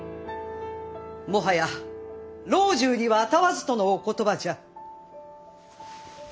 もはや老中には能わずとのお言葉じゃ。